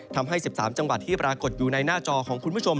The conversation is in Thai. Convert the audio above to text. ทำให้๑๓จังหวัดที่ปรากฏอยู่ในหน้าจอของคุณผู้ชม